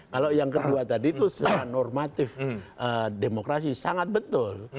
kalau yang kedua tadi itu secara normatif demokrasi sangat betul